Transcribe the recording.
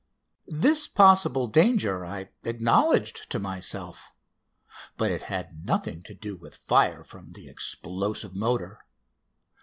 This possible danger I acknowledged to myself, but it had nothing to do with fire from the explosive motor.